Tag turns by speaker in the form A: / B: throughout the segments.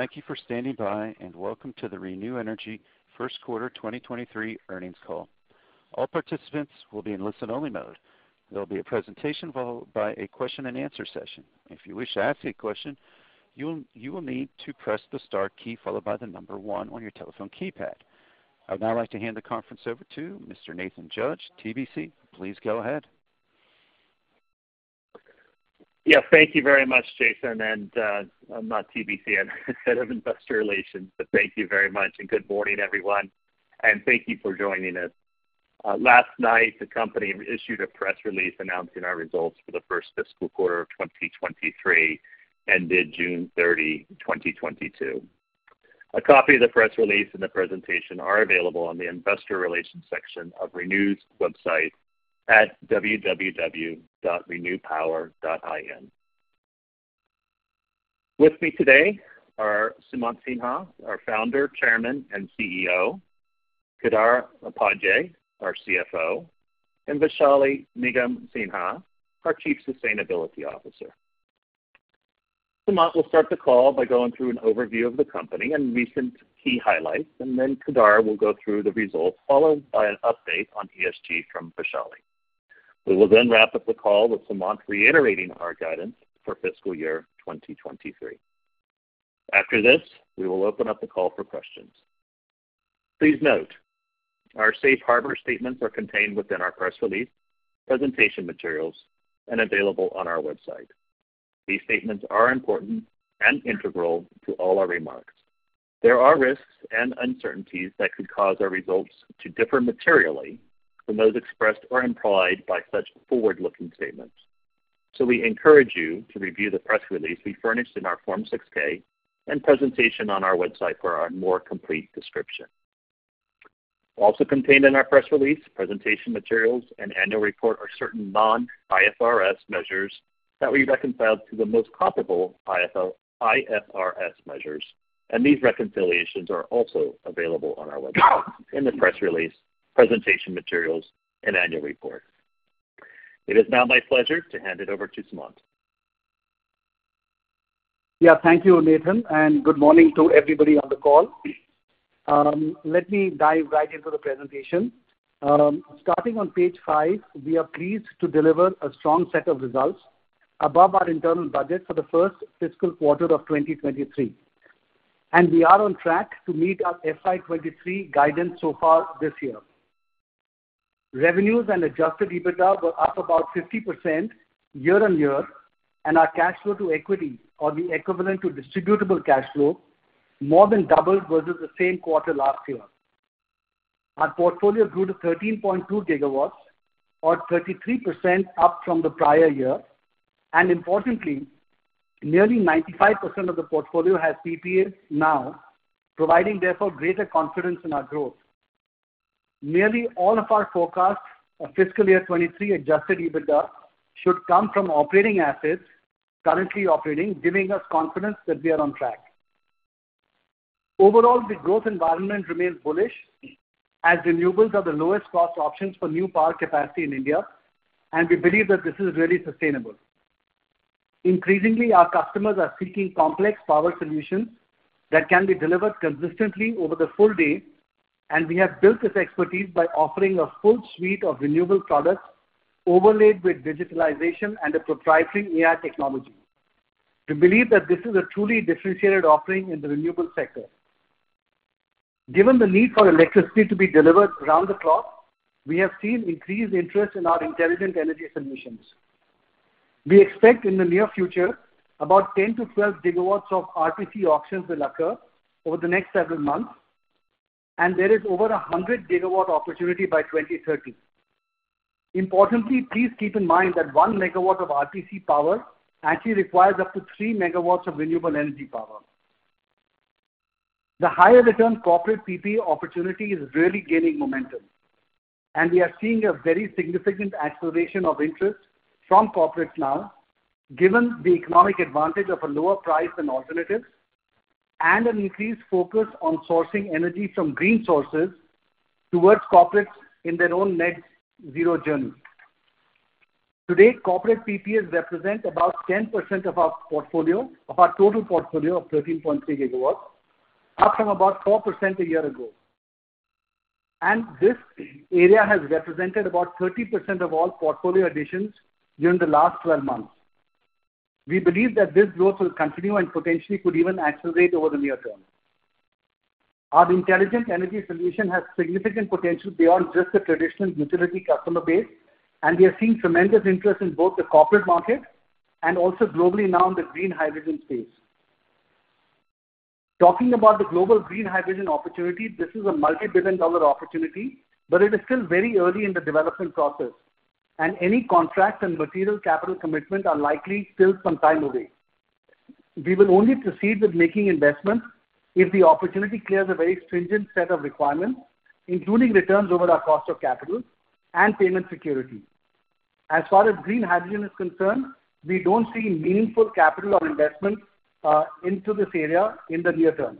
A: Thank you for standing by, and welcome to the ReNew Energy Global first quarter 2023 earnings call. All participants will be in listen-only mode. There will be a presentation followed by a question-and-answer session. If you wish to ask a question, you will need to press the star key followed by the number one on your telephone keypad. I'd now like to hand the conference over to Mr. Nathan Judge, Head of Investor Relations. Please go ahead.
B: Yeah. Thank you very much, Jason. I'm Nathan Judge, I'm Head of Investor Relations. Thank you very much, and good morning, everyone, and thank you for joining us. Last night, the company issued a press release announcing our results for the first fiscal quarter of 2023, ended June 30, 2022. A copy of the press release and the presentation are available on the investor relations section of ReNew's website at www.renew.com. With me today are Sumant Sinha, our Founder, Chairman, and CEO, Kedar Upadhye, our CFO, and Vaishali Nigam Sinha, our Chief Sustainability Officer. Sumant will start the call by going through an overview of the company and recent key highlights, and then Kedar will go through the results, followed by an update on ESG from Vaishali. We will then wrap up the call with Sumant reiterating our guidance for fiscal year 2023. After this, we will open up the call for questions. Please note, our safe harbor statements are contained within our press release, presentation materials, and available on our website. These statements are important and integral to all our remarks. There are risks and uncertainties that could cause our results to differ materially from those expressed or implied by such forward-looking statements. We encourage you to review the press release we furnished in our Form 6-K and presentation on our website for our more complete description. Also contained in our press release, presentation materials, and annual report are certain non-IFRS measures that we reconciled to the most comparable IFRS measures, and these reconciliations are also available on our website in the press release, presentation materials, and annual report. It is now my pleasure to hand it over to Sumant.
C: Yeah. Thank you, Nathan, and good morning to everybody on the call. Let me dive right into the presentation. Starting on page 5, we are pleased to deliver a strong set of results above our internal budget for the first fiscal quarter of 2023, and we are on track to meet our FY 2023 guidance so far this year. Revenues and adjusted EBITDA were up about 50% year-over-year, and our cash flow to equity, or the equivalent to distributable cash flow, more than doubled versus the same quarter last year. Our portfolio grew to 13.2 gigawatts, or 33% up from the prior year. Importantly, nearly 95% of the portfolio has PPAs now, providing therefore greater confidence in our growth. Nearly all of our forecasts of fiscal year 2023 adjusted EBITDA should come from operating assets currently operating, giving us confidence that we are on track. Overall, the growth environment remains bullish as renewables are the lowest cost options for new power capacity in India, and we believe that this is really sustainable. Increasingly, our customers are seeking complex power solutions that can be delivered consistently over the full day, and we have built this expertise by offering a full suite of renewable products overlaid with digitalization and a proprietary AI technology. We believe that this is a truly differentiated offering in the renewable sector. Given the need for electricity to be delivered around the clock, we have seen increased interest in our Intelligent Energy Solutions. We expect in the near future about 10-12 GW of RTC auctions will occur over the next several months, and there is over 100-GW opportunity by 2030. Importantly, please keep in mind that 1 MW of RTC power actually requires up to 3 MW of renewable energy power. The higher return corporate PPA opportunity is really gaining momentum, and we are seeing a very significant acceleration of interest from corporates now, given the economic advantage of a lower price than alternatives and an increased focus on sourcing energy from green sources towards corporates in their own net zero journey. To date, corporate PPAs represent about 10% of our portfolio, of our total portfolio of 13.3 GW, up from about 4% a year ago. This area has represented about 30% of all portfolio additions during the last 12 months. We believe that this growth will continue and potentially could even accelerate over the near term. Our Intelligent Energy Solution has significant potential beyond just the traditional utility customer base, and we are seeing tremendous interest in both the corporate market and also globally now in the green hydrogen space. Talking about the global green hydrogen opportunity, this is a multi-billion dollar opportunity, but it is still very early in the development process, and any contracts and material capital commitment are likely still some time away. We will only proceed with making investments if the opportunity clears a very stringent set of requirements, including returns over our cost of capital and payment security. As far as green hydrogen is concerned, we don't see meaningful capital or investment into this area in the near term.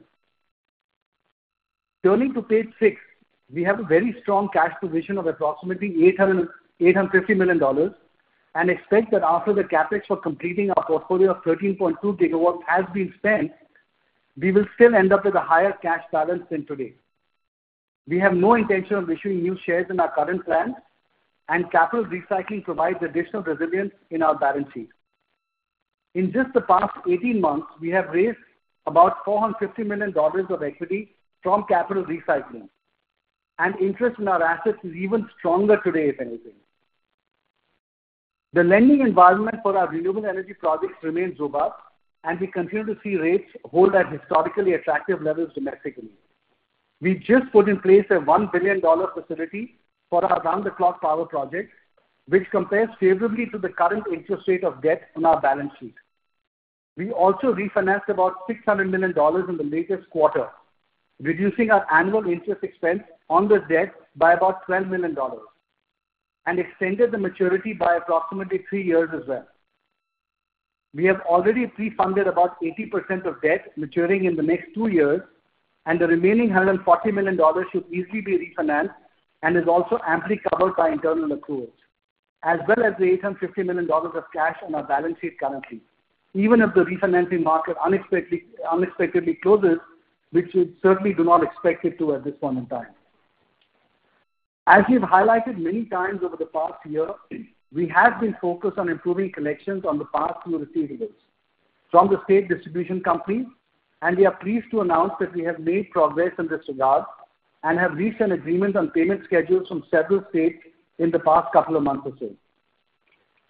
C: Turning to page six, we have a very strong cash position of approximately $850 million and expect that after the CapEx for completing our portfolio of 13.2 gigawatts has been spent, we will still end up with a higher cash balance than today. We have no intention of issuing new shares in our current plan, and capital recycling provides additional resilience in our balance sheet. In just the past 18 months, we have raised about $450 million of equity from capital recycling, and interest in our assets is even stronger today, if anything. The lending environment for our renewable energy projects remains robust, and we continue to see rates hold at historically attractive levels domestically. We just put in place a $1 billion facility for our round-the-clock power project, which compares favorably to the current interest rate of debt on our balance sheet. We also refinanced about $600 million in the latest quarter, reducing our annual interest expense on the debt by about $12 million and extended the maturity by approximately three years as well. We have already pre-funded about 80% of debt maturing in the next two years, and the remaining $140 million should easily be refinanced and is also amply covered by internal accruals, as well as the $850 million of cash on our balance sheet currently, even if the refinancing market unexpectedly closes, which we certainly do not expect it to at this point in time. As we've highlighted many times over the past year, we have been focused on improving collections on the past due receivables from the state distribution company, and we are pleased to announce that we have made progress in this regard and have recent agreements on payment schedules from several states in the past couple of months or so.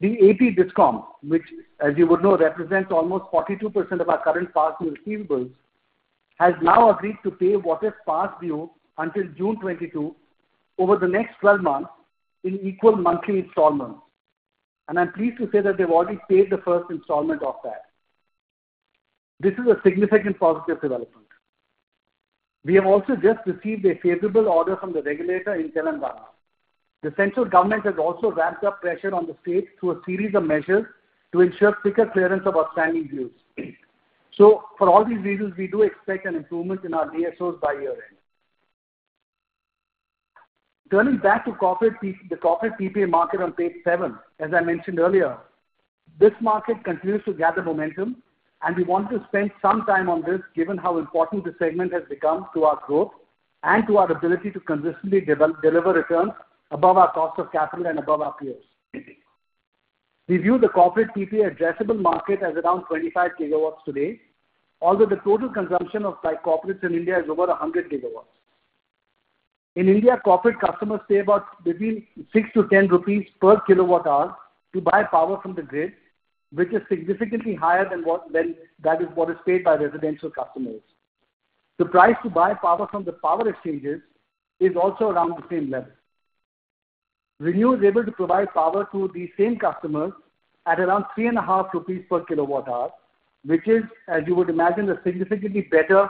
C: The APDISCOM, which as you would know, represents almost 42% of our current past due receivables, has now agreed to pay what is past due until June 2022 over the next 12 months in equal monthly installments. I'm pleased to say that they've already paid the first installment of that. This is a significant positive development. We have also just received a favorable order from the regulator in Telangana. The central government has also ramped up pressure on the state through a series of measures to ensure quicker clearance of outstanding dues. For all these reasons, we do expect an improvement in our DSOs by year-end. Turning back to the corporate PPA market on page 7, as I mentioned earlier, this market continues to gather momentum, and we want to spend some time on this given how important this segment has become to our growth and to our ability to consistently deliver returns above our cost of capital and above our peers. We view the corporate PPA addressable market as around 25 GW today, although the total consumption by corporates in India is over 100 GW. In India, corporate customers pay about between 6-10 rupees per kWh to buy power from the grid, which is significantly higher than what is paid by residential customers. The price to buy power from the power exchanges is also around the same level. ReNew is able to provide power to these same customers at around 3.5 rupees per kWh, which is, as you would imagine, significantly better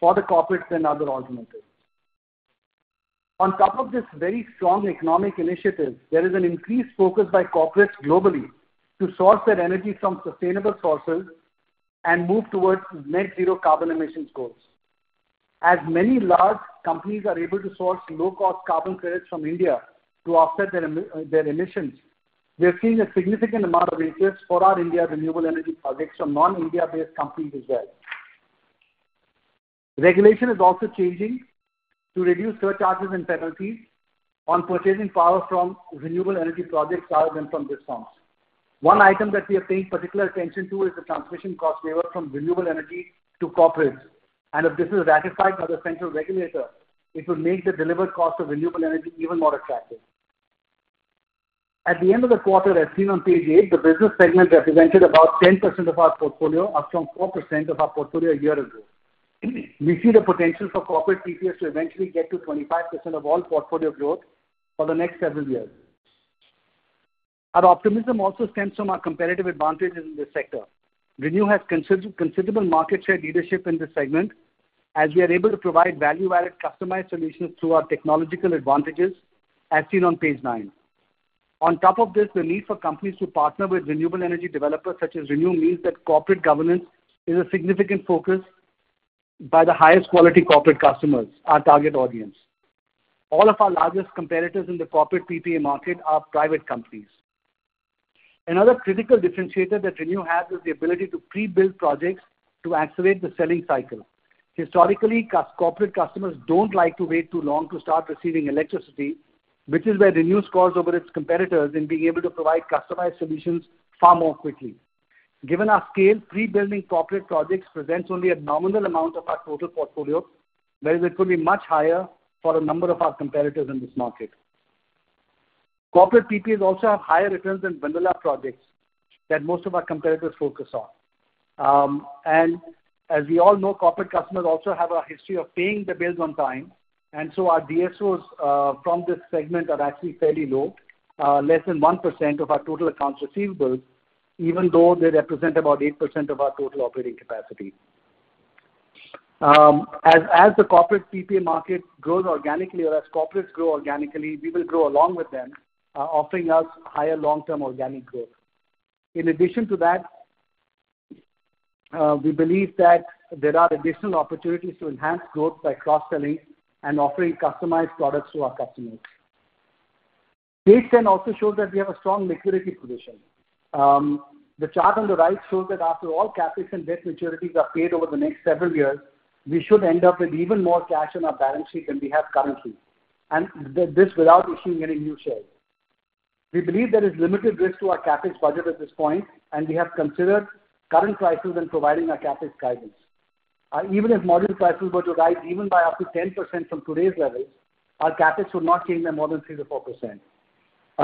C: for the corporates than other alternatives. On top of this very strong economic initiative, there is an increased focus by corporates globally to source their energy from sustainable sources and move towards net zero carbon emissions goals. As many large companies are able to source low-cost carbon credits from India to offset their emissions, we are seeing a significant amount of interest for our India renewable energy projects from non-India-based companies as well. Regulation is also changing to reduce surcharges and penalties on purchasing power from renewable energy projects rather than from DISCOMs. One item that we are paying particular attention to is the transmission cost waiver from renewable energy to corporates. If this is ratified by the central regulator, it will make the delivered cost of renewable energy even more attractive. At the end of the quarter, as seen on page 8, the business segment represented about 10% of our portfolio, up from 4% of our portfolio a year ago. We see the potential for corporate PPAs to eventually get to 25% of all portfolio growth for the next several years. Our optimism also stems from our competitive advantages in this sector. ReNew has considerable market share leadership in this segment, as we are able to provide value-added customized solutions through our technological advantages, as seen on page nine. On top of this, the need for companies to partner with renewable energy developers such as ReNew means that corporate governance is a significant focus by the highest quality corporate customers, our target audience. All of our largest competitors in the corporate PPA market are private companies. Another critical differentiator that ReNew has is the ability to pre-build projects to accelerate the selling cycle. Historically, corporate customers don't like to wait too long to start receiving electricity, which is where ReNew scores over its competitors in being able to provide customized solutions far more quickly. Given our scale, pre-building corporate projects presents only a nominal amount of our total portfolio, whereas it could be much higher for a number of our competitors in this market. Corporate PPAs also have higher returns than vanilla projects that most of our competitors focus on. As we all know, corporate customers also have a history of paying their bills on time, and so our DSOs from this segment are actually fairly low, less than 1% of our total accounts receivables, even though they represent about 8% of our total operating capacity. As the corporate PPA market grows organically or as corporates grow organically, we will grow along with them, offering us higher long-term organic growth. In addition to that, we believe that there are additional opportunities to enhance growth by cross-selling and offering customized products to our customers. Page 10 also shows that we have a strong liquidity position. The chart on the right shows that after all CapEx and debt maturities are paid over the next several years, we should end up with even more cash on our balance sheet than we have currently, and this without issuing any new shares. We believe there is limited risk to our CapEx budget at this point, and we have considered current prices when providing our CapEx guidance. Even if module prices were to rise even by up to 10% from today's levels, our CapEx would not change by more than 3%-4%.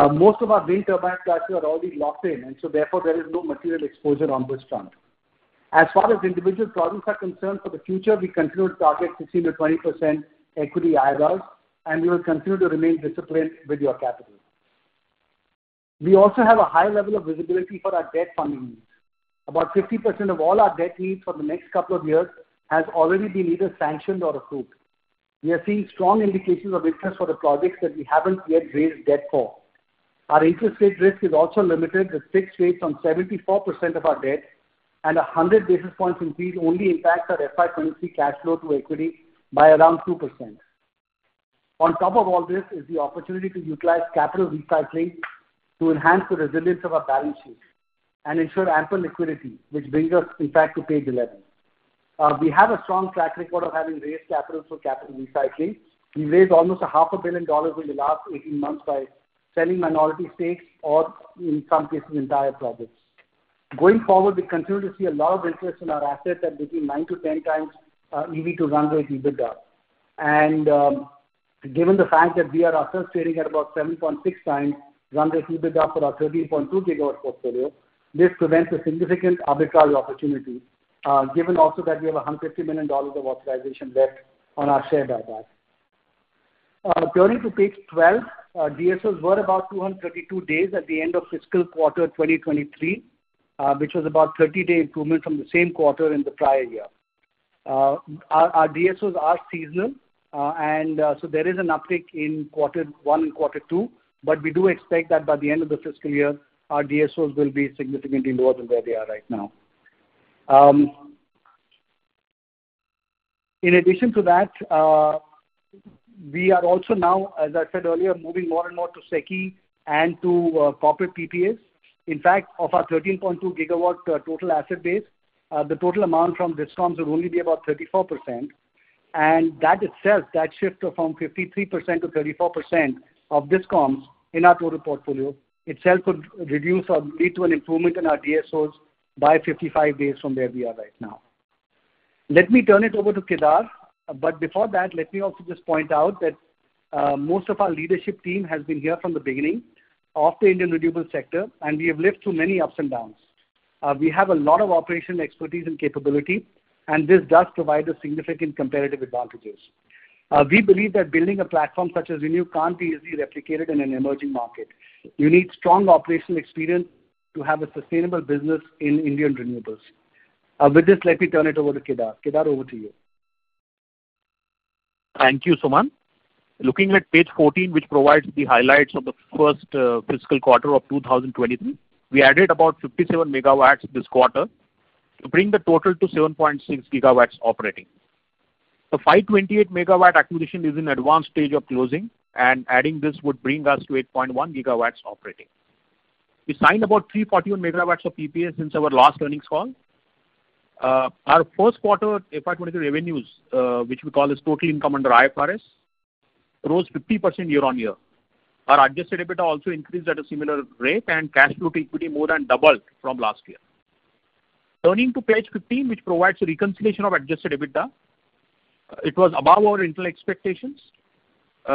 C: Most of our wind turbine prices are already locked in and so therefore there is no material exposure on this front. As far as individual projects are concerned, for the future, we continue to target 16%-20% equity IRRs, and we will continue to remain disciplined with your capital. We also have a high level of visibility for our debt funding needs. About 50% of all our debt needs for the next couple of years has already been either sanctioned or approved. We are seeing strong indications of interest for the projects that we haven't yet raised debt for. Our interest rate risk is also limited, with fixed rates on 74% of our debt and a 100 basis points increase only impacts our FY 2023 cash flow to equity by around 2%. On top of all this is the opportunity to utilize capital recycling to enhance the resilience of our balance sheet and ensure ample liquidity, which brings us in fact to page eleven. We have a strong track record of having raised capital through capital recycling. We raised almost a half a billion dollars over the last 18 months by selling minority stakes, or in some cases, entire projects. Going forward, we continue to see a lot of interest in our assets at between 9-10 times EV to run-rate EBITDA. Given the fact that we are ourselves trading at about 7.6 times run-rate EBITDA for our 13.2 gigawatts portfolio, this presents a significant arbitrage opportunity, given also that we have $150 million of authorization left on our share buyback. Turning to page 12, our DSOs were about 232 days at the end of fiscal quarter 2023, which was about 30-day improvement from the same quarter in the prior year. Our DSOs are seasonal, and so there is an uptick in quarter one and quarter two, but we do expect that by the end of the fiscal year, our DSOs will be significantly lower than where they are right now. In addition to that, we are also now, as I said earlier, moving more and more to SECI and to corporate PPAs. In fact, of our 13.2 GW total asset base, the total amount from DISCOMs will only be about 34%. That itself, that shift from 53% to 34% of DISCOMs in our total portfolio itself could reduce or lead to an improvement in our DSOs by 55 days from where we are right now. Let me turn it over to Kedar. Before that, let me also just point out that most of our leadership team has been here from the beginning of the Indian renewables sector, and we have lived through many ups and downs. We have a lot of operational expertise and capability, and this does provide us significant competitive advantages. We believe that building a platform such as ReNew can't be easily replicated in an emerging market. You need strong operational experience to have a sustainable business in Indian renewables. With this, let me turn it over to Kedar. Kedar, over to you.
D: Thank you, Sumant. Looking at page 14, which provides the highlights of the first fiscal quarter of 2023, we added about 57 MW this quarter to bring the total to 7.6 GW operating. The 528 MW acquisition is in advanced stage of closing, and adding this would bring us to 8.1 GW operating. We signed about 341 MW of PPA since our last earnings call. Our first quarter FY 2023 revenues, which we call as total income under IFRS, rose 50% year-on-year. Our adjusted EBITDA also increased at a similar rate and cash flow to equity more than doubled from last year. Turning to page 15, which provides a reconciliation of adjusted EBITDA, it was above our internal expectations. You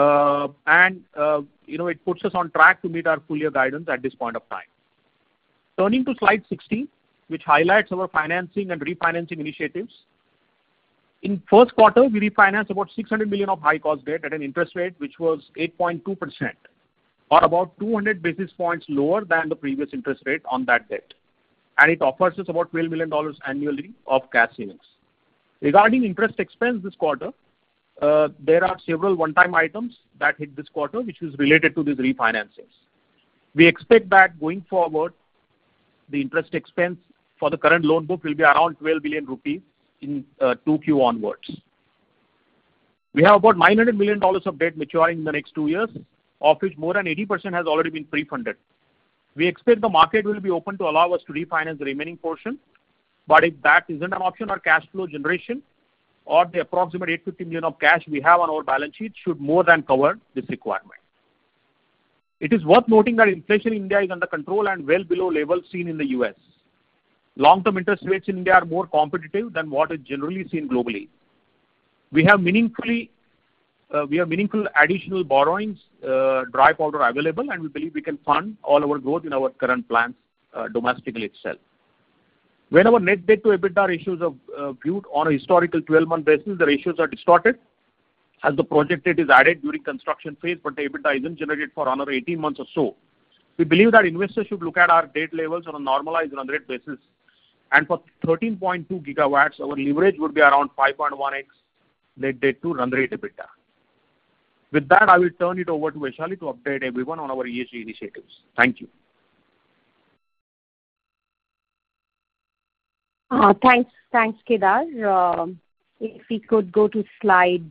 D: know, it puts us on track to meet our full year guidance at this point of time. Turning to slide 16, which highlights our financing and refinancing initiatives. In first quarter, we refinanced about $600 million of high cost debt at an interest rate which was 8.2% or about 200 basis points lower than the previous interest rate on that debt. It offers us about $12 million annually of cash savings. Regarding interest expense this quarter, there are several one-time items that hit this quarter, which is related to these refinances. We expect that going forward, the interest expense for the current loan book will be around 12 billion rupees in 2Q onwards. We have about $900 million of debt maturing in the next two years, of which more than 80% has already been pre-funded. We expect the market will be open to allow us to refinance the remaining portion, but if that isn't an option, our cash flow generation or the approximate $850 million of cash we have on our balance sheet should more than cover this requirement. It is worth noting that inflation in India is under control and well below levels seen in the U.S. Long-term interest rates in India are more competitive than what is generally seen globally. We have meaningful additional borrowings, dry powder available, and we believe we can fund all our growth in our current plants, domestically itself. When our net debt to EBITDA ratios are viewed on a historical 12-month basis, the ratios are distorted as the project debt is added during construction phase, but the EBITDA isn't generated for another 18 months or so. We believe that investors should look at our debt levels on a normalized run rate basis. For 13.2 GW, our leverage would be around 5.1x net debt to run rate EBITDA.
C: With that, I will turn it over to Vaishali to update everyone on our ESG initiatives. Thank you.
E: Thanks, Kedar. If we could go to slide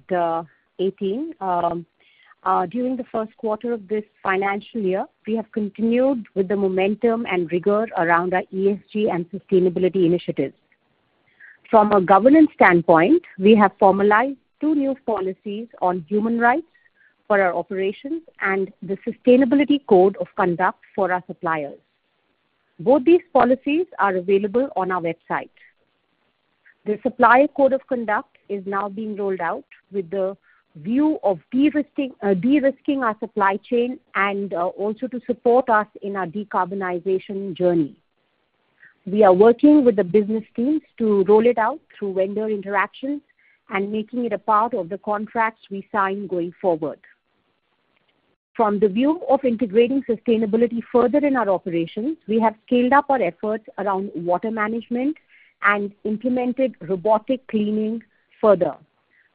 E: 18. During the first quarter of this financial year, we have continued with the momentum and rigor around our ESG and sustainability initiatives. From a governance standpoint, we have formalized two new policies on human rights for our operations and the sustainability code of conduct for our suppliers. Both these policies are available on our website. The supplier code of conduct is now being rolled out with the view of de-risking our supply chain and also to support us in our decarbonization journey. We are working with the business teams to roll it out through vendor interactions and making it a part of the contracts we sign going forward. From the view of integrating sustainability further in our operations, we have scaled up our efforts around water management and implemented robotic cleaning further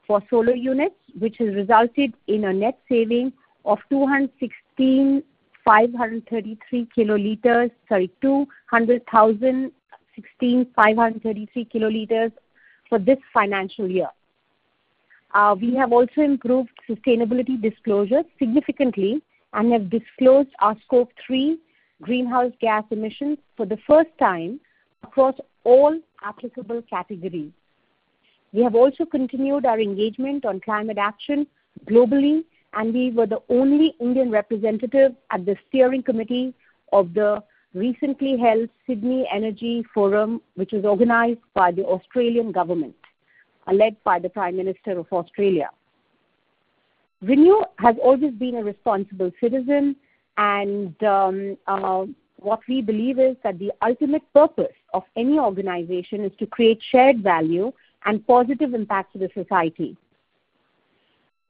E: for solar units, which has resulted in a net saving of 216,533 kiloliters. Sorry, 216,533 kiloliters for this financial year. We have also improved sustainability disclosure significantly and have disclosed our Scope 3 greenhouse gas emissions for the first time across all applicable categories. We have also continued our engagement on climate action globally, and we were the only Indian representative at the steering committee of the recently held Sydney Energy Forum, which was organized by the Australian Government and led by the Prime Minister of Australia. ReNew has always been a responsible citizen, and what we believe is that the ultimate purpose of any organization is to create shared value and positive impact to the society.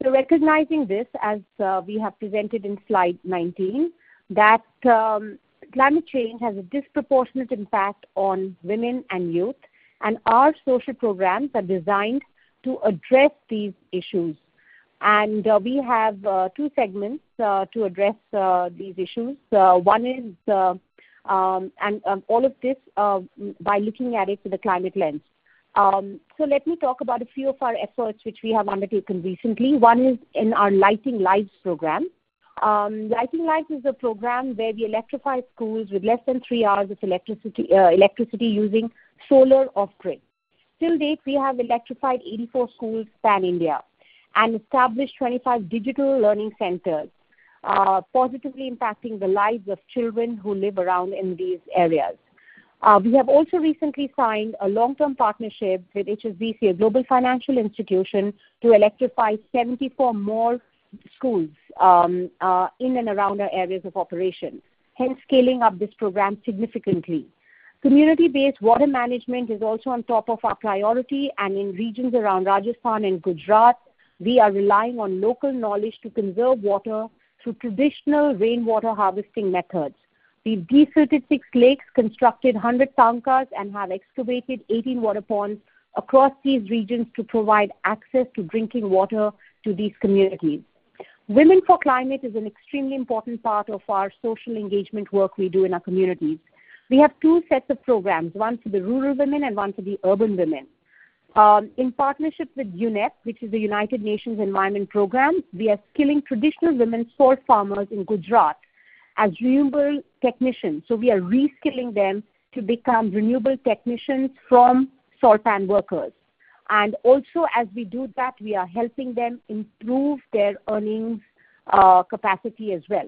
E: Recognizing this, as we have presented in slide 19, that climate change has a disproportionate impact on women and youth, and our social programs are designed to address these issues. We have two segments to address these issues. One is all of this by looking at it through the climate lens. Let me talk about a few of our efforts which we have undertaken recently. One is in our Lighting Lives program. Lighting Lives is a program where we electrify schools with less than three hours of electricity using solar off-grid. Till date, we have electrified 84 schools pan-India and established 25 digital learning centers, positively impacting the lives of children who live around in these areas. We have also recently signed a long-term partnership with HSBC, a global financial institution, to electrify 74 more schools in and around our areas of operation, hence scaling up this program significantly. Community-based water management is also on top of our priority, and in regions around Rajasthan and Gujarat, we are relying on local knowledge to conserve water through traditional rainwater harvesting methods. We've desilted six lakes, constructed 100 tankas, and have excavated 18 water ponds across these regions to provide access to drinking water to these communities. Women for Climate is an extremely important part of our social engagement work we do in our communities. We have two sets of programs, one for the rural women and one for the urban women. In partnership with UNEP, which is the United Nations Environment Programme, we are skilling traditional women salt farmers in Gujarat as renewable technicians. We are reskilling them to become renewable technicians from salt pan workers. As we do that, we are helping them improve their earnings capacity as well.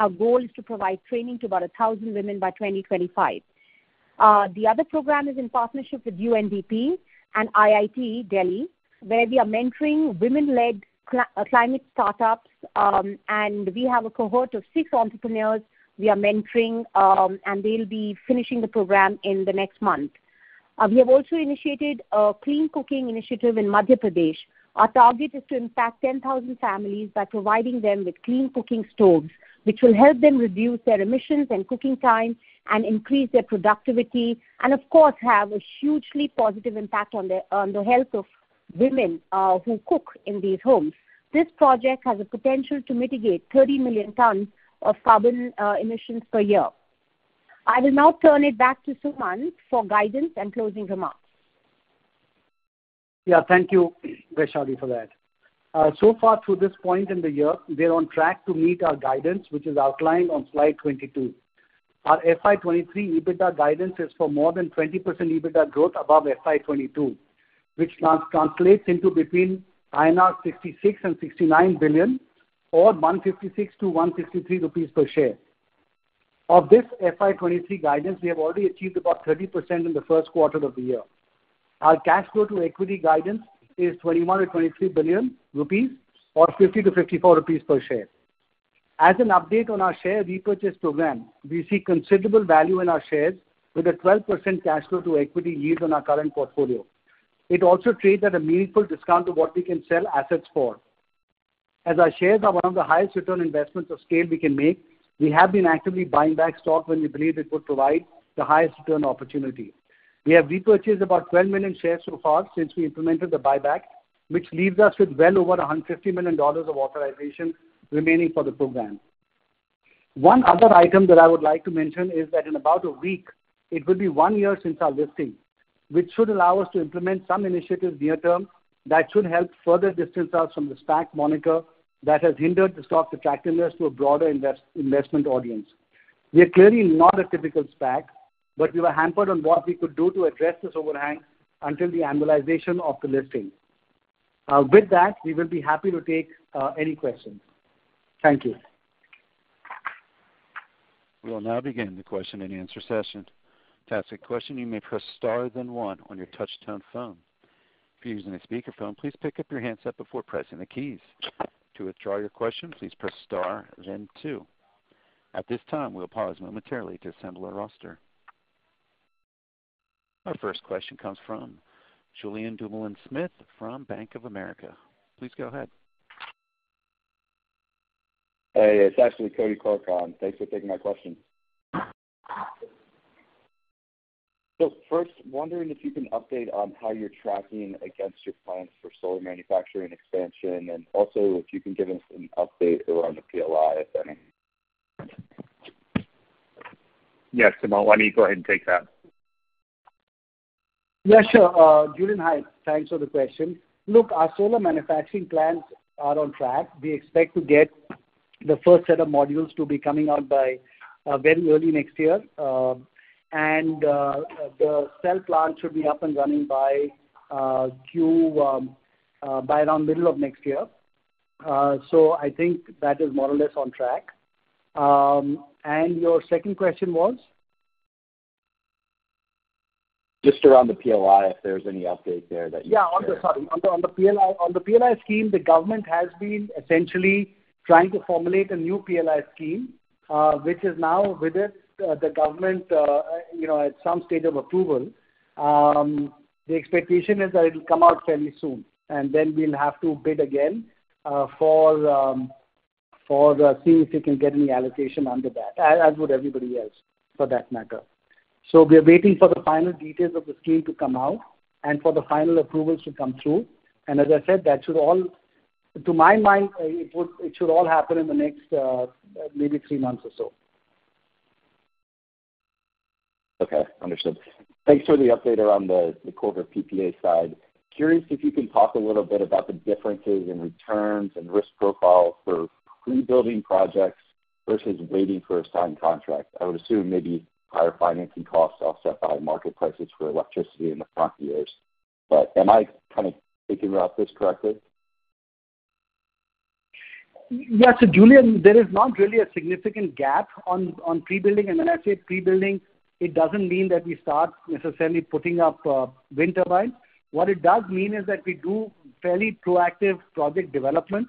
E: Our goal is to provide training to about 1,000 women by 2025. The other program is in partnership with UNDP and IIT Delhi, where we are mentoring women-led climate startups. We have a cohort of six entrepreneurs we are mentoring, and they'll be finishing the program in the next month. We have also initiated a clean cooking initiative in Madhya Pradesh. Our target is to impact 10,000 families by providing them with clean cooking stoves, which will help them reduce their emissions and cooking time and increase their productivity and of course, have a hugely positive impact on the health of women who cook in these homes. This project has a potential to mitigate 30 million tons of carbon emissions per year. I will now turn it back to Sumant for guidance and closing remarks.
C: Yeah. Thank you, Vaishali, for that. So far through this point in the year, we are on track to meet our guidance, which is outlined on slide 22. Our FY 2023 EBITDA guidance is for more than 20% EBITDA growth above FY 2022, which translates into between 66 and 69 billion or 156 to 153 rupees per share. Of this FY 2023 guidance, we have already achieved about 30% in the first quarter of the year. Our cash flow to equity guidance is 21-23 billion rupees or 50-54 rupees per share. As an update on our share repurchase program, we see considerable value in our shares with a 12% cash flow to equity yield on our current portfolio. It also trades at a meaningful discount to what we can sell assets for. As our shares are one of the highest return investments of scale we can make, we have been actively buying back stock when we believe it would provide the highest return opportunity. We have repurchased about 12 million shares so far since we implemented the buyback, which leaves us with well over $150 million of authorization remaining for the program. One other item that I would like to mention is that in about a week, it will be one year since our listing, which should allow us to implement some initiatives near term that should help further distance us from the SPAC moniker that has hindered the stock's attractiveness to a broader investment audience. We are clearly not a typical SPAC, but we were hampered on what we could do to address this overhang until the annualization of the listing. With that, we will be happy to take any questions. Thank you.
A: We will now begin the question-and-answer session. To ask a question, you may press star then one on your touchtone phone. If you're using a speakerphone, please pick up your handset before pressing the keys. To withdraw your question, please press star then two. At this time, we'll pause momentarily to assemble our roster. Our first question comes from Julien Dumoulin-Smith from Bank of America. Please go ahead.
F: Hey, it's actually Cody Clark on. Thanks for taking my question. First, wondering if you can update on how you're tracking against your plans for solar manufacturing expansion, and also if you can give us an update around the PLI, if any?
D: Yes, Sumant, why don't you go ahead and take that?
C: Yeah, sure. Julien, hi. Thanks for the question. Look, our solar manufacturing plants are on track. We expect to get the first set of modules to be coming out by very early next year. The cell plant should be up and running by around middle of next year. I think that is more or less on track. Your second question was?
F: Just around the PLI, if there's any update there that you can share?
C: On the PLI scheme, the government has been essentially trying to formulate a new PLI scheme, which is now with the government, you know, at some stage of approval. The expectation is that it'll come out fairly soon, and then we'll have to bid again, to see if we can get any allocation under that, as would everybody else for that matter. We are waiting for the final details of the scheme to come out and for the final approvals to come through. As I said, that should all. To my mind, it should all happen in the next maybe three months or so.
F: Okay. Understood. Thanks for the update around the corporate PPA side. Curious if you can talk a little bit about the differences in returns and risk profile for pre-building projects versus waiting for a signed contract? I would assume maybe higher financing costs offset by market prices for electricity in the front years. Am I kind of thinking about this correctly?
C: Yeah. Julien, there is not really a significant gap on pre-building. When I say pre-building, it doesn't mean that we start necessarily putting up wind turbines. What it does mean is that we do fairly proactive project development,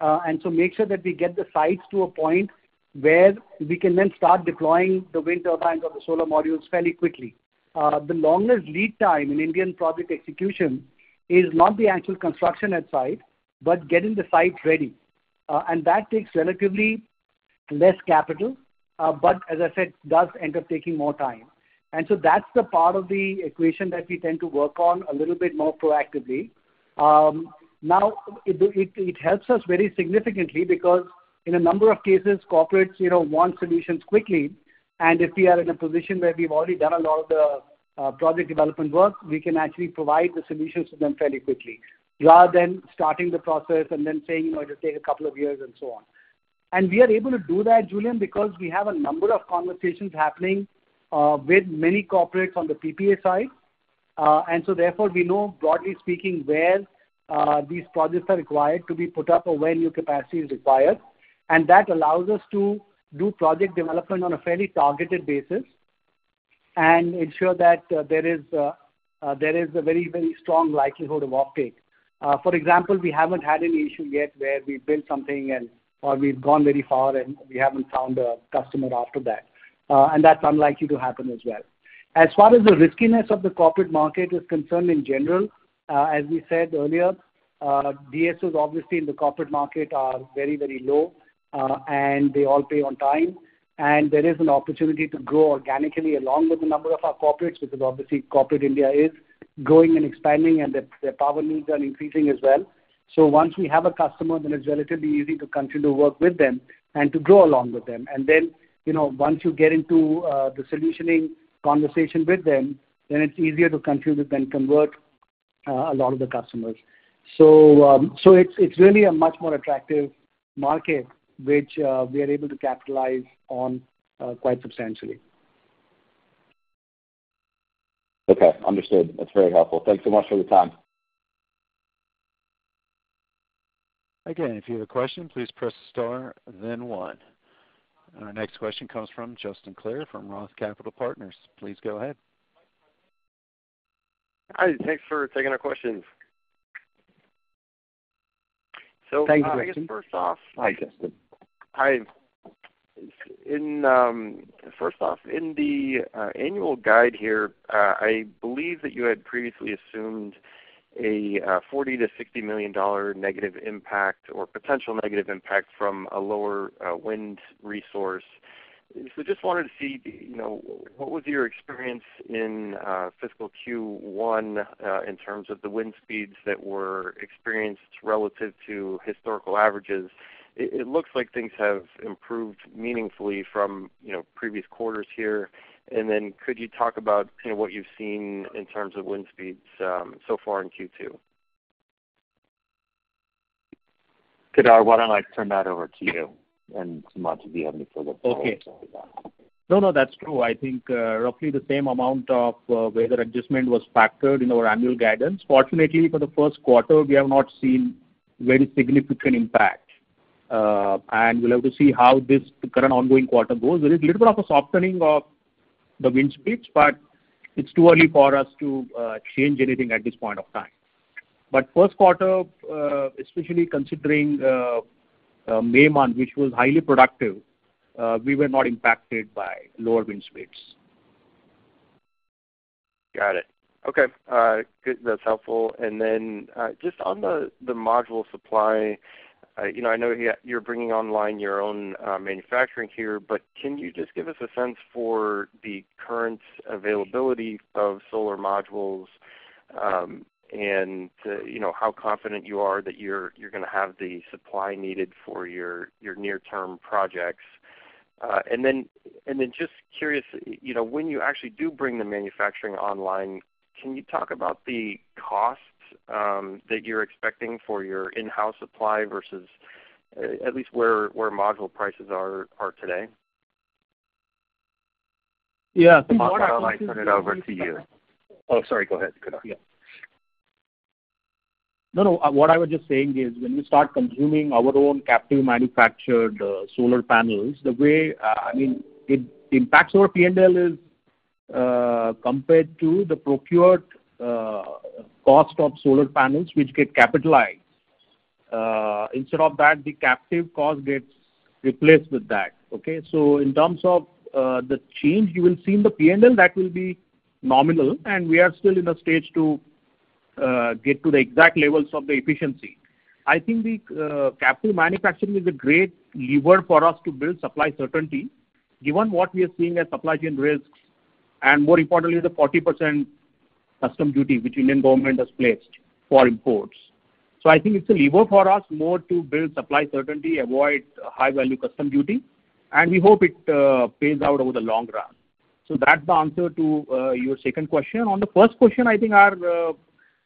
C: and so make sure that we get the sites to a point where we can then start deploying the wind turbines or the solar modules fairly quickly. The longest lead time in Indian project execution is not the actual construction at site, but getting the site ready. That takes relatively less capital, but as I said, does end up taking more time. That's the part of the equation that we tend to work on a little bit more proactively. Now it helps us very significantly because in a number of cases, corporates, you know, want solutions quickly. If we are in a position where we've already done a lot of the project development work, we can actually provide the solutions to them fairly quickly, rather than starting the process and then saying, you know, it'll take a couple of years and so on. We are able to do that, Julien, because we have a number of conversations happening with many corporates on the PPA side. Therefore we know broadly speaking where these projects are required to be put up or where new capacity is required. That allows us to do project development on a fairly targeted basis and ensure that there is a very, very strong likelihood of offtake. For example, we haven't had any issue yet where we've built something and or we've gone very far and we haven't found a customer after that. That's unlikely to happen as well. As far as the riskiness of the corporate market is concerned in general, as we said earlier, DSO obviously in the corporate market are very, very low, and they all pay on time. There is an opportunity to grow organically along with the number of our corporates, because obviously corporate India is growing and expanding and the power needs are increasing as well. Once we have a customer, then it's relatively easy to continue to work with them and to grow along with them. You know, once you get into the solutioning conversation with them, then it's easier to continue to then convert a lot of the customers. It's really a much more attractive market which we are able to capitalize on quite substantially.
F: Okay. Understood. That's very helpful. Thanks so much for the time.
A: Again, if you have a question, please press star then one. Our next question comes from Justin Clare from Roth Capital Partners. Please go ahead.
G: Hi. Thanks for taking our questions.
C: Thanks, Justin.
G: I guess first off, in the annual guidance here, I believe that you had previously assumed a $40 million-$60 million negative impact or potential negative impact from a lower wind resource. Just wanted to see, you know, what was your experience in fiscal Q1 in terms of the wind speeds that were experienced relative to historical averages. It looks like things have improved meaningfully from, you know, previous quarters here. Could you talk about, you know, what you've seen in terms of wind speeds so far in Q2?
C: Kedar, why don't I turn that over to you, and Sumant to be able to follow up after that.
D: Okay. No, no, that's true. I think, roughly the same amount of weather adjustment was factored in our annual guidance. Fortunately, for the first quarter, we have not seen very significant impact. We'll have to see how this current ongoing quarter goes. There is little bit of a softening of the wind speeds, but it's too early for us to change anything at this point of time. First quarter, especially considering May month, which was highly productive, we were not impacted by lower wind speeds.
G: Got it. Okay. Good. That's helpful. Just on the module supply, you know, I know you're bringing online your own manufacturing here, but can you just give us a sense for the current availability of solar modules, and, you know, how confident you are that you're gonna have the supply needed for your near-term projects? Just curious, you know, when you actually do bring the manufacturing online, can you talk about the costs that you're expecting for your in-house supply versus, at least where module prices are today?
D: Yeah. Sumant, why don't I turn it over to you?
C: Oh, sorry. Go ahead, Kedar.
D: Yeah. No, no. What I was just saying is, when we start consuming our own captive manufactured solar panels, the way I mean, it impacts our P&L is compared to the procured cost of solar panels which get capitalized. Instead of that, the captive cost gets replaced with that, okay? In terms of the change you will see in the P&L, that will be nominal, and we are still in a stage to get to the exact levels of the efficiency. I think the captive manufacturing is a great lever for us to build supply certainty given what we are seeing as supply chain risks, and more importantly, the 40% customs duty which Indian government has placed for imports. I think it's a lever for us more to build supply certainty, avoid high-value customs duty, and we hope it pays out over the long run. That's the answer to your second question. On the first question, I think our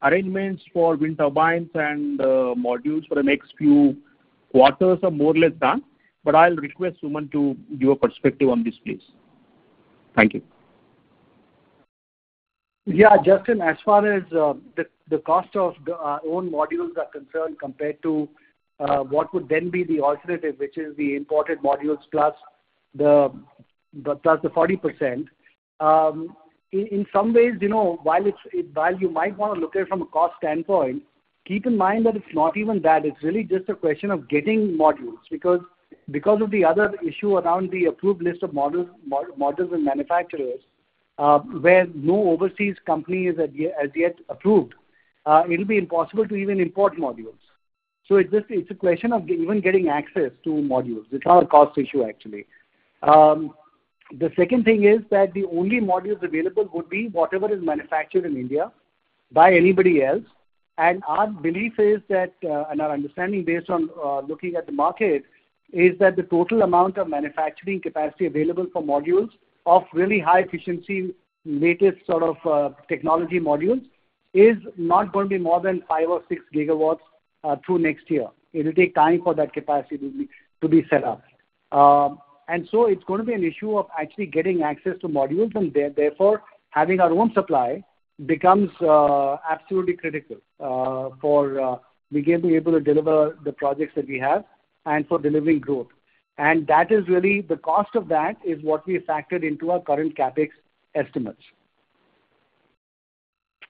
D: arrangements for wind turbines and modules for the next few quarters are more or less done. I'll request Sumant Sinha to give a perspective on this, please. Thank you.
C: Yeah, Justin, as far as the cost of our own modules are concerned compared to what would then be the alternative, which is the imported modules plus the 40%, in some ways, you know, while you might wanna look at it from a cost standpoint, keep in mind that it's not even that. It's really just a question of getting modules because of the other issue around the approved list of modules and manufacturers, where no overseas company is as yet approved, it'll be impossible to even import modules. It's just a question of even getting access to modules. It's not a cost issue, actually. The second thing is that the only modules available would be whatever is manufactured in India by anybody else. Our belief is that, and our understanding based on looking at the market, is that the total amount of manufacturing capacity available for modules of really high efficiency, latest sort of technology modules is not gonna be more than 5 or 6 gigawatts through next year. It'll take time for that capacity to be set up. It's gonna be an issue of actually getting access to modules, and therefore, having our own supply becomes absolutely critical for we being able to deliver the projects that we have and for delivering growth. That is really the cost of that is what we factored into our current CapEx estimates.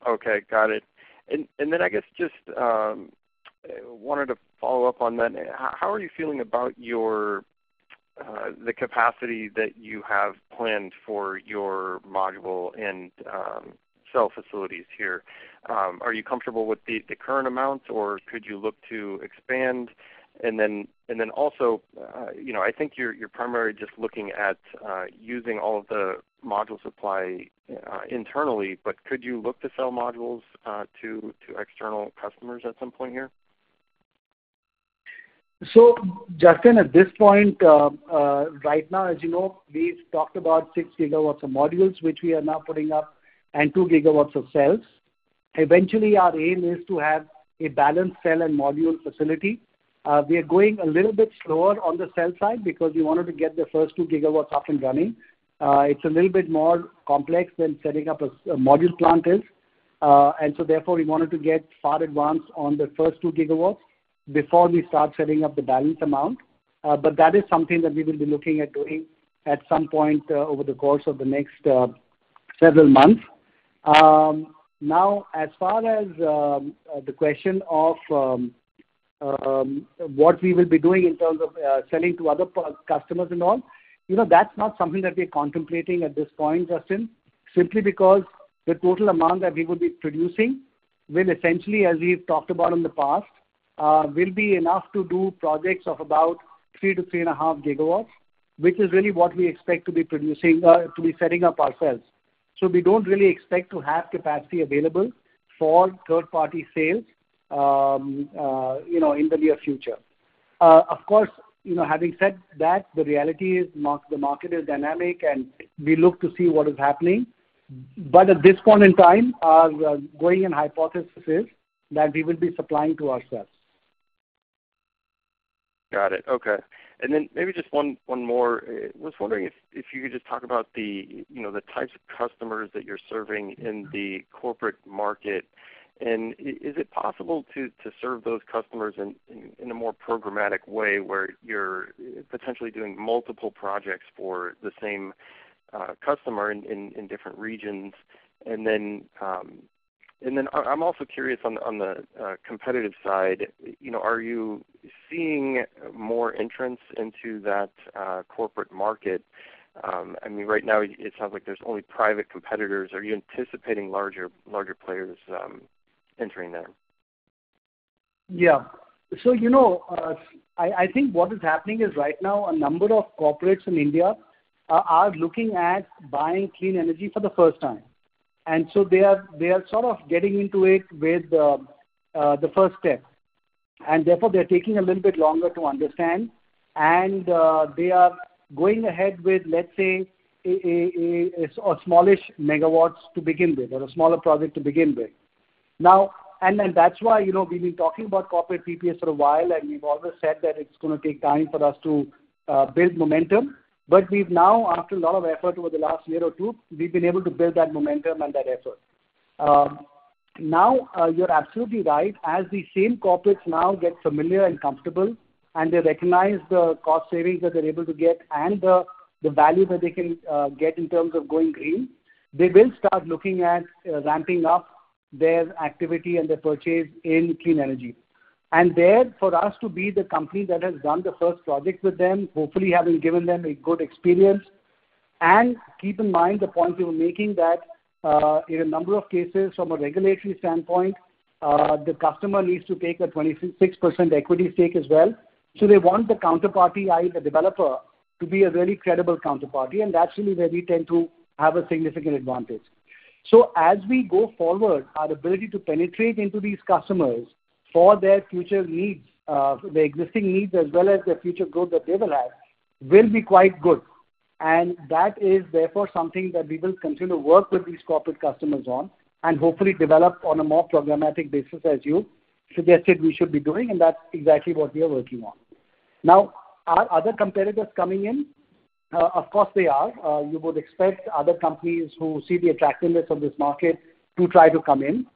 G: Okay, got it. I guess just wanted to follow up on that. How are you feeling about your the capacity that you have planned for your module and cell facilities here? Are you comfortable with the current amounts, or could you look to expand? Also, you know, I think you're primarily just looking at using all of the module supply internally, but could you look to sell modules to external customers at some point here?
C: Justin, at this point, right now, as you know, we've talked about 6 gigawatts of modules, which we are now putting up, and 2 gigawatts of cells. Eventually, our aim is to have a balanced cell and module facility. We are going a little bit slower on the cell side because we wanted to get the first 2 gigawatts up and running. It's a little bit more complex than setting up a module plant is. We wanted to get far advanced on the first 2 gigawatts before we start setting up the balanced amount. That is something that we will be looking at doing at some point, over the course of the next several months. Now, as far as the question of what we will be doing in terms of selling to other customers and all, you know, that's not something that we're contemplating at this point, Justin. Simply because the total amount that we would be producing will essentially, as we've talked about in the past, will be enough to do projects of about 3-3.5 gigawatts, which is really what we expect to be producing to be setting up ourselves. We don't really expect to have capacity available for third-party sales, you know, in the near future. Of course, you know, having said that, the reality is the market is dynamic, and we look to see what is happening. At this point in time, our going hypothesis is that we will be supplying to ourselves.
G: Got it. Okay. Maybe just one more. I was wondering if you could just talk about the you know the types of customers that you're serving in the corporate market, and is it possible to serve those customers in a more programmatic way, where you're potentially doing multiple projects for the same customer in different regions? I'm also curious on the competitive side, you know, are you seeing more entrants into that corporate market? I mean, right now it sounds like there's only private competitors. Are you anticipating larger players entering there?
C: Yeah. So, you know, I think what is happening is right now a number of corporates in India are looking at buying clean energy for the first time. They are sort of getting into it with the first step. They're taking a little bit longer to understand, and they are going ahead with, let's say, a smallish megawatts to begin with or a smaller project to begin with. That's why, you know, we've been talking about corporate PPAs for a while, and we've always said that it's gonna take time for us to build momentum. But we've now, after a lot of effort over the last year or two, we've been able to build that momentum and that effort. Now, you're absolutely right. As the same corporates now get familiar and comfortable, and they recognize the cost savings that they're able to get and the value that they can get in terms of going green, they will start looking at ramping up their activity and their purchase in clean energy. For us to be the company that has done the first project with them, hopefully having given them a good experience. Keep in mind the point you were making that in a number of cases from a regulatory standpoint, the customer needs to take a 26% equity stake as well. They want the counterparty, i.e., the developer, to be a very credible counterparty, and that's really where we tend to have a significant advantage. As we go forward, our ability to penetrate into these customers for their future needs, their existing needs as well as the future growth that they will have, will be quite good. That is therefore something that we will continue to work with these corporate customers on and hopefully develop on a more programmatic basis as you suggested we should be doing, and that's exactly what we are working on. Now, are other competitors coming in? Of course, they are. You would expect other companies who see the attractiveness of this market to try to come in.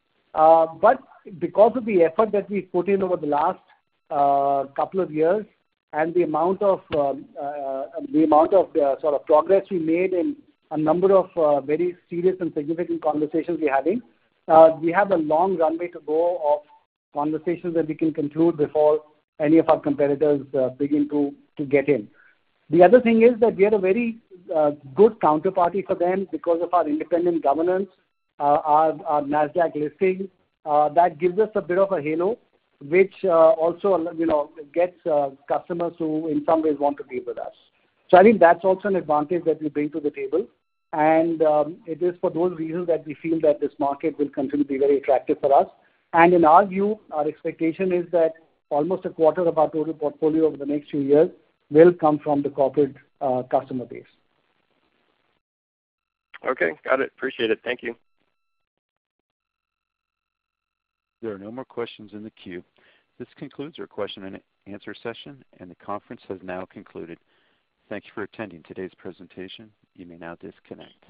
C: Because of the effort that we've put in over the last couple of years and the amount of the sort of progress we made in a number of very serious and significant conversations we're having, we have a long runway to go of conversations that we can conclude before any of our competitors begin to get in. The other thing is that we are a very good counterparty for them because of our independent governance, our NASDAQ listing that gives us a bit of a halo, which also, you know, gets customers who in some ways want to be with us. I think that's also an advantage that we bring to the table. It is for those reasons that we feel that this market will continue to be very attractive for us. In our view, our expectation is that almost a quarter of our total portfolio over the next two years will come from the corporate customer base.
G: Okay. Got it. Appreciate it. Thank you.
A: There are no more questions in the queue. This concludes our question and answer session, and the conference has now concluded. Thank you for attending today's presentation. You may now disconnect.